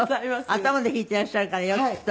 頭で弾いていらっしゃるからよきっと。